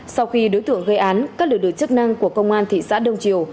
sau khi đối tượng gây án các lực lượng chức năng của công an thị xã đông triều